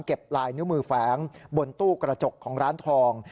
ลายนิ้วมือแฝงบนตู้กระจกของร้านทอง